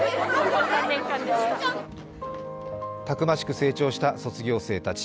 たくましく成長した卒業生たち。